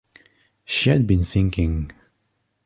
She had been thinking.